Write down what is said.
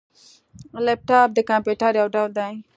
لیپټاپ د کمپيوټر یو ډول دی